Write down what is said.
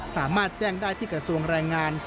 สามารถแจ้งได้ที่กระทรวงแรงงาน